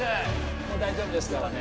もう大丈夫ですからね